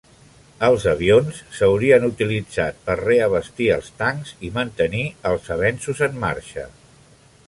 Els avions s'haurien utilitzat per reabastir els tancs i mantenir els avenços en marxa.